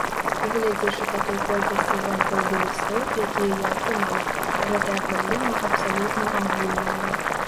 Гледзячы па той колькасці званкоў ды лістоў, якія я атрымаў, гэтая праблема абсалютна агульная.